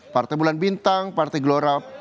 partai bulan bintang partai gelora